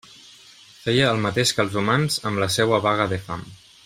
Feia el mateix que els humans amb la seua vaga de fam.